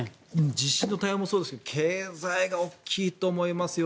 地震の対応もそうですが経済が大きいと思いますよ。